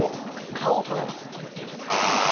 蚊を放つ。